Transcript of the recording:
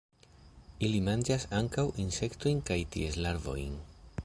Ili manĝas ankaŭ insektojn kaj ties larvojn.